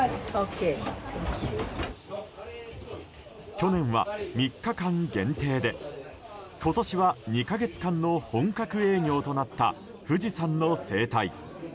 去年は３日間限定で今年は２か月間の本格営業となった富士山の整体。